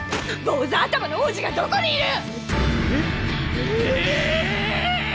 坊主頭の王子がどこにいる！